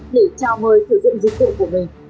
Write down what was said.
để trao mời thử dụng dịch vụ của mình